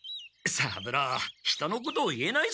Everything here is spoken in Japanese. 三郎人のことを言えないぞ！